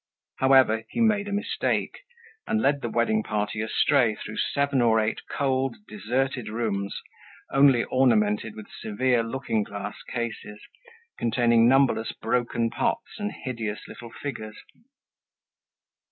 However, he made a mistake and led the wedding party astray through seven or eight cold, deserted rooms, only ornamented with severe looking glass cases, containing numberless broken pots and hideous little figures.